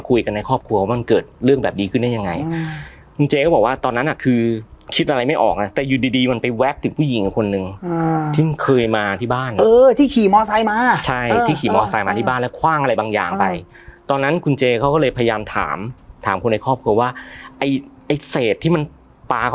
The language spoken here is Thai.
ในครอบครัวว่ามันเกิดเรื่องแบบนี้ขึ้นได้ยังไงคุณเจก็บอกว่าตอนนั้นอ่ะคือคิดอะไรไม่ออกนะแต่อยู่ดีดีมันไปแวบถึงผู้หญิงคนนึงที่เคยมาที่บ้านเออที่ขี่มอไซค์มาใช่ที่ขี่มอไซค์มาที่บ้านแล้วคว่างอะไรบางอย่างไปตอนนั้นคุณเจเขาก็เลยพยายามถามถามคนในครอบครัวว่าไอ้ไอ้เศษที่มันปลาเขา